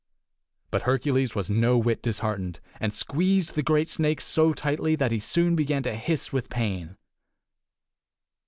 But Hercules was no whit disheartened, and squeezed the great snake so tightly that he soon began to hiss with pain.